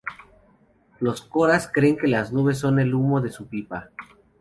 Los coras creen que las nubes son el humo de su pipa.